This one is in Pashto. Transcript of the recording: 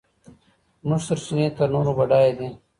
زموږ سرچينې تر نورو بډايه دي.